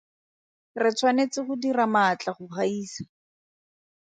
Re tshwanetse go dira maatla go gaisa.